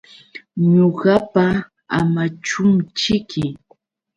Ñuqapa Amachumćhiki.